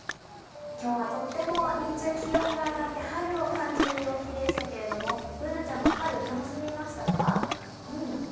今日はとっても日中気温が上がって春を感じる陽気でしたけどＢｏｏｎａちゃんも春、楽しみましたか？